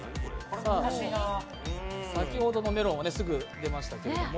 先ほどのメロンはすぐに出ましたけども。